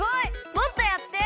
もっとやって！